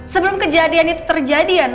sebelum kejadian itu terjadi ya